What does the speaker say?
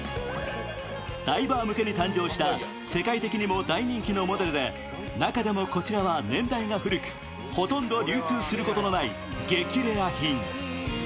ダイバー向けに誕生した世界的にも大人気のモデルで中でもこちらは年代が古くほとんど流通することのない激レア品。